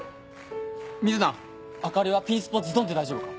瑞奈明かりはピンスポズドンで大丈夫か？